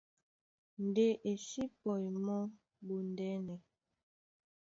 Ndé e sí pɔi mɔ́ ɓondɛ́nɛ.